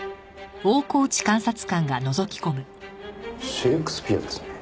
シェイクスピアですね。